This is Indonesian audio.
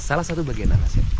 salah satu bagian nanas ya